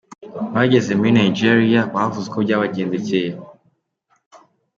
Bageze muri Nigeria bavuze uko byabagendekeye.